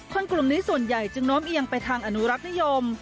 กลุ่มนี้ส่วนใหญ่จึงโน้มเอียงไปทางอนุรักษ์นิยม